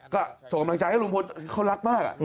ก็ส่งกำลังใจให้ลุงพลเขารักมาก